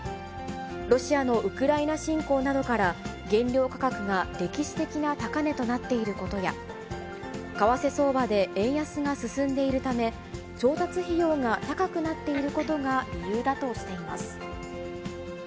ロシアのウクライナ侵攻などから、原料価格が歴史的な高値となっていることや、為替相場で円安が進んでいるため、調達費用が高くなっていることが理由だとしています。